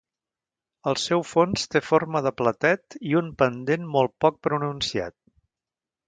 El seu fons té forma de platet i un pendent molt poc pronunciat.